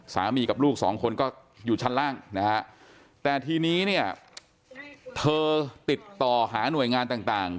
สามีกับลูก๒คนก็อยู่ชั้นล่างนะครับแต่ทีนี้เธอติดต่อหาหน่วยงานต่าง